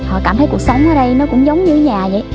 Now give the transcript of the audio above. họ cảm thấy cuộc sống ở đây nó cũng giống như nhà vậy